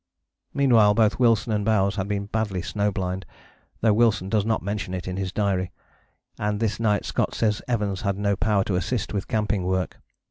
" Meanwhile both Wilson and Bowers had been badly snow blind, though Wilson does not mention it in his diary; and this night Scott says Evans had no power to assist with camping work.